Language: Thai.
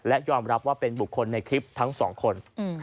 และยอมรับว่าเป็นบุคคลในคลิปทั้งสองคน